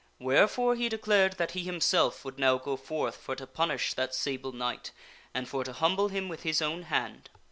Wherefore he declared that he himself would now go forth for to punish that Sable Knight, and for to humble him with his own hand.